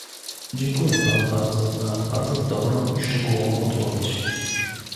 Dziękuję Panu bardzo za bardzo dobrą i szczegółową odpowiedź